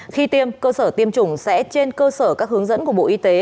khi tiêm cơ sở tiêm chủng sẽ trên cơ sở các hướng dẫn của bộ y tế